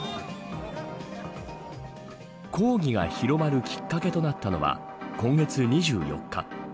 抗議が広まるきっかけとなったのは今月２４日。